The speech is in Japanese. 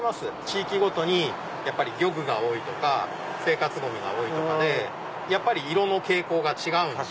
地域ごとに漁具が多いとか生活ゴミが多いとかでやっぱり色の傾向が違うんで。